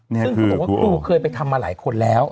ซึ่งเขาบอกว่าครูเคยไปทำมาหลายคนแล้ว